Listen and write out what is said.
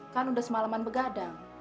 kan udah semaleman begadang